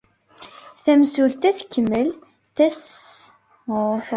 Tamsulta tkemmel tasestant-nnes.